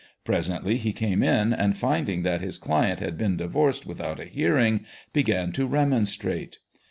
Presently he came in, and finding that lis client had been divorced without a hearing, )egan to remonstrate.